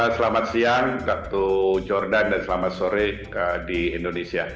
selamat siang waktu jordan dan selamat sore di indonesia